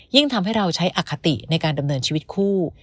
ทำให้เราใช้อคติในการดำเนินชีวิตคู่